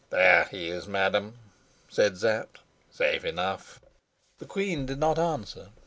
"There he is, madam," said Sapt. "Safe enough!" The queen did not answer.